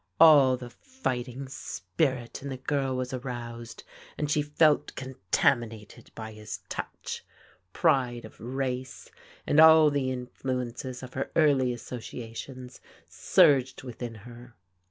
All the fighting spirit in the girl was aroused, and she felt contaminated by his touch. Pride of race, and all the influences of her early associations surged within her.